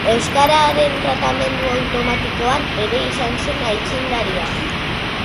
Euskararen tratamendu automatikoan ere izan zen aitzindaria.